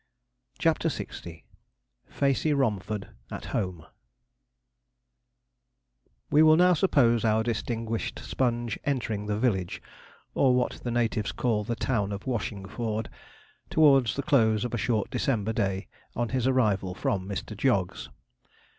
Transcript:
CHAPTER LX FACEY ROMFORD AT HOME We will now suppose our distinguished Sponge entering the village, or what the natives call the town of Washingforde, towards the close of a short December day, on his arrival from Mr. Jog's.